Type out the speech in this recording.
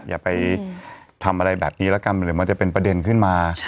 อย่าไปทำอะไรแบบนี้แล้วกันเดี๋ยวมันจะเป็นประเด็นขึ้นมา